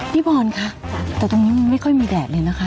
พี่บอลค่ะแต่ตรงนี้มันไม่ค่อยมีแดดเลยนะคะ